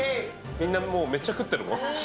みんなもう、めっちゃ食ってるもん。